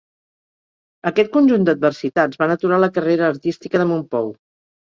Aquest conjunt d'adversitats van aturar la carrera artística de Mompou.